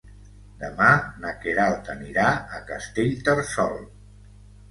Demà na Queralt anirà a Castellterçol.